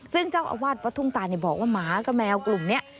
ซึ่งเจ้าอาวาสวัดทุ่งตานบอกว่าหมากับแมวกลุ่มนี้